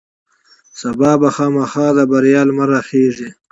سبا به خامخا د بریا لمر راخیژي.